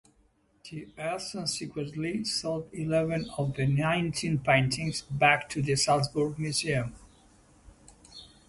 The heirs subsequently sold eleven of the nineteen paintings back to the Salzburg Museum.